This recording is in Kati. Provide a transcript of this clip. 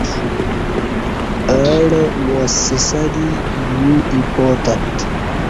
اہ ڈہ موسسہ دی یو ایپاتت